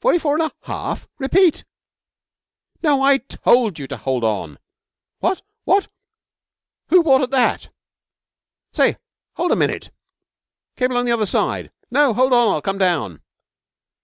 Forty four and a half? Repeat. No! I told you to hold on. What? What? Who bought at that? Say, hold a minute. Cable the other side. No. Hold on. I'll come down.